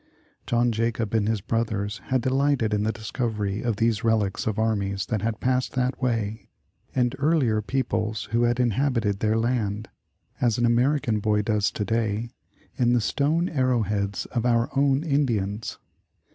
John Jacob and his brothers had delighted in the discovery of these relics of armies that had passed that way, and earlier peoples, who had inhabited their laud, as an American boy does to day in the stone arrow heads of our own Indians.